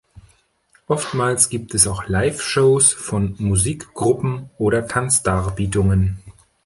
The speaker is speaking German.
Oftmals gibt es auch Live-Shows von Musikgruppen oder Tanzdarbietungen.